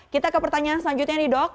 kita ke pertanyaan selanjutnya nih dok